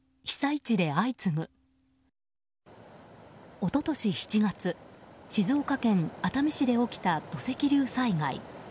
一昨年７月静岡県熱海市で起きた土石流災害。